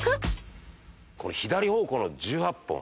この左方向の１８本。